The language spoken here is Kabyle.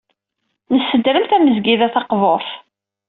Nessedrem tamezgida taqburt.